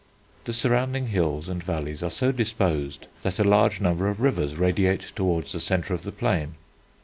The surrounding hills and valleys are so disposed that a large number of rivers radiate towards the centre of the plain.